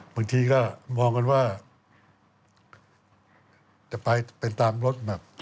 บางทีก็มองกันว่าจะไปเป็นตามรถแมพ